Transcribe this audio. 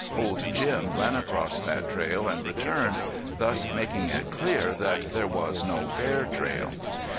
Old Jim ran across that trail and returned, thus making it clear that there was no bear trail.